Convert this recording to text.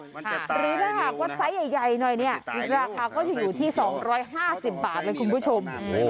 หรือถ้าหากว่าไซส์ใหญ่หน่อยเนี่ยราคาก็จะอยู่ที่๒๕๐บาทเลยคุณผู้ชม